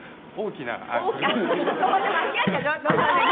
ここで間違っちゃどうしようもない。